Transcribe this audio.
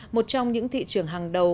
một trong những thị trường hàng đầu